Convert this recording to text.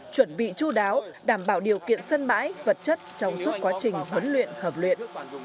chuẩn bị chú đáo đảm bảo điều kiện sân bãi vật chất trong suốt quá trình huấn luyện hợp luyện